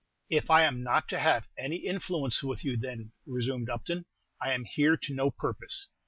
"If I am not to have any influence with you, then," resumed Upton, "I am here to no purpose.